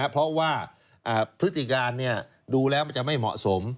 เพราะว่าพฤติการดูแล้วมันจะไม่เหมาะสม